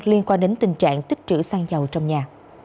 liên quan đến tình trạng tích trữ xăng dầu trong nhà